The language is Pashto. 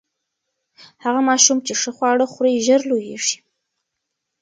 هغه ماشوم چې ښه خواړه خوري، ژر لوییږي.